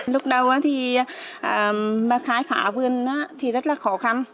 lúc đầu thì khai phá vườn thì rất là khó khăn